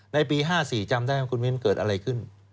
ในปี๕๔จำได้ว่าคุณมิ้นเกิดอะไรขึ้น